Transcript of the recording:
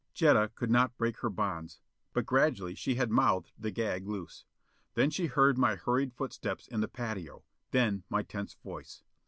Jetta could not break her bonds. But gradually she had mouthed the gag loose. Then she heard my hurried footsteps in the patio; then my tense voice.